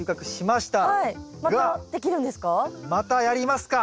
またやりますか。